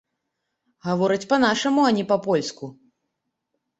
Гаворыць па-нашаму, а не па-польску.